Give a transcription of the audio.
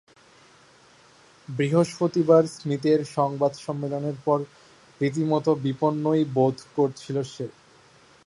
বৃহস্পতিবার স্মিথের সংবাদ সম্মেলনের পর রীতিমতো বিপন্নই বোধ করছিল সে।